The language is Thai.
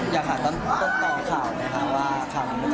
อยากหาต้นต่อข่าวนะคะว่าข่าวมันไม่จำเป็นเครื่อง